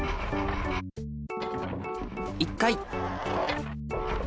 １回。